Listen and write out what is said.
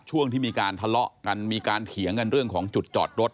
ช่วงที่มีการทะเลาะกันมีการเถียงกันเรื่องของจุดจอดรถ